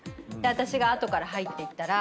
私が後から入っていったら。